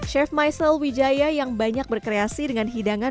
chef michael wijaya yang banyak berkreasi dengan hidangan